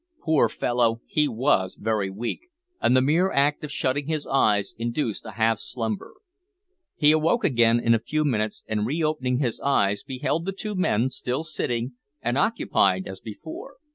Poor fellow! he was very weak, and the mere act of shutting his eyes induced a half slumber. He awoke again in a few minutes, and re opening his eyes, beheld the two men still sitting, and occupied as before.